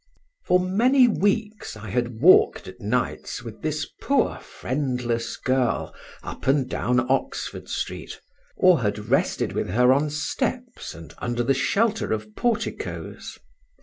For many weeks I had walked at nights with this poor friendless girl up and down Oxford Street, or had rested with her on steps and under the shelter of porticoes.